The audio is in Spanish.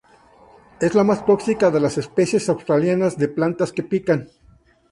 Es la más tóxica de las especies australianas de plantas que pican.